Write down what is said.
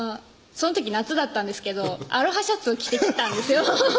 その時夏だったんですけどアロハシャツを着てきたんですよ